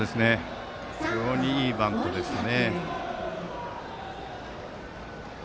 非常にいいバントですね。